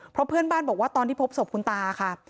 เพราะเพื่อนบ้านบอกว่าตอนที่พบศพคุณตาค่ะ